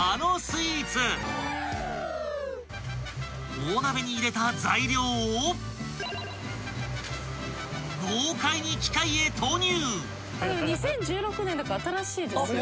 ［大鍋に入れた材料を豪快に機械へ投入］